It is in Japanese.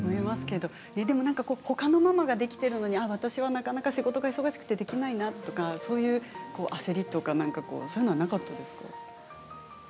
でも、ほかのママができているのに私はなかなか仕事が忙しくてできないなとかそういう焦りとか、なんかそういうのはなかったですか？